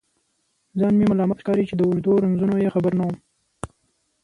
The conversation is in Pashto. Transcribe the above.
ځان مې ملامت ښکاري چې د اوږدو رنځونو یې خبر نه وم.